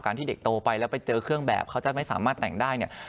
ที่เด็กโตไปแล้วไปเจอเครื่องแบบเขาจะไม่สามารถแต่งได้เนี่ย